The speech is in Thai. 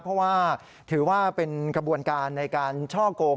เพราะว่าถือว่าเป็นกระบวนการในการช่อกง